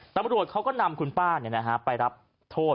ตำรวจเขาก็นำคุณป้าเนี่ยนะฮะไปรับโทษ